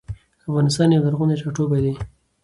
افغانستان يو لرغوني ټاټوبي دي